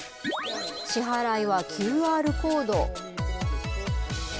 支払いはＱＲコード。